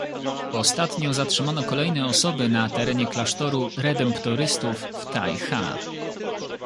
Ostatnio zatrzymano kolejne osoby na terenie klasztoru redemptorystów w Thai Ha